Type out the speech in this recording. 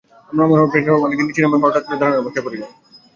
আমার মামার প্রেসার অনেক নিচে নেমে যাওয়ার পর হঠাৎ করে দাঁড়ানো অবস্থায় পরে যায়।